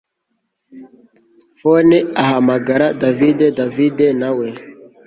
phone ahamagara david david nawe